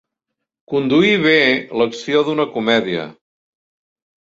Conduir bé l'acció d'una comèdia.